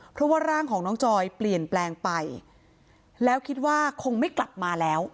เพราะว่าร่างของน้องจอยเปลี่ยนแปลงไปแล้วคิดว่าคงไม่กลับมาแล้ว